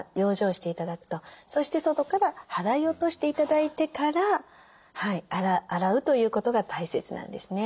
そして外から払い落として頂いてから洗うということが大切なんですね。